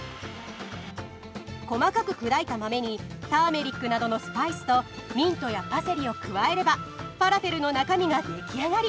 細かく砕いた豆にターメリックなどのスパイスとミントやパセリを加えればファラフェルの中身が出来上がり。